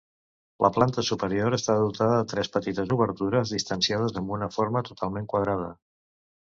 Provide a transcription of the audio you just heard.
La planta superior està dotada de tres petites obertures distanciades amb una forma totalment quadrada.